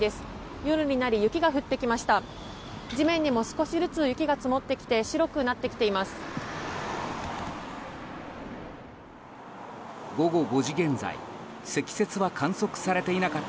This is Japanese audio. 夜になり雪が降ってきました。